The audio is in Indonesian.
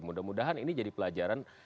mudah mudahan ini jadi pelajaran